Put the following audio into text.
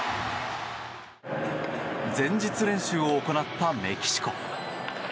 前日練習を行ったメキシコ。